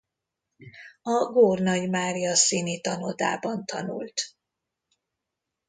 A Gór Nagy Mária Színitanodában tanult.